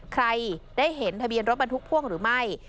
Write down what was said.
ใครได้เห็นทะเบียนรถบรรทุกพ่วงหรือไม่